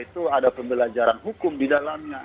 itu ada pembelajaran hukum di dalamnya